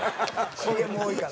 ＣＭ多いから。